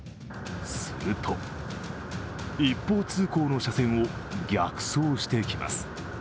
すると一方通行の車線を逆走してきます。